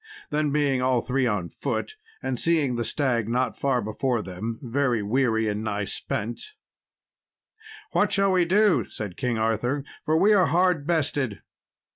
Then being all three on foot, and seeing the stag not far before them, very weary and nigh spent "What shall we do," said King Arthur, "for we are hard bested?"